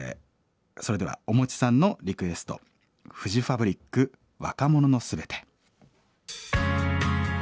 それではおもちさんのリクエストフジファブリック「若者のすべて」。